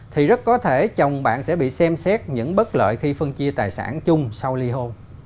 thì rất có thể chồng bạn sẽ bị xem xét những bất lợi khi phân chia tài sản chung sau ly hôn